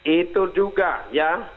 itu juga ya